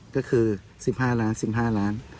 ก็คือสิบห้าล้านสิบห้าล้าน